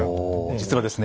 実はですね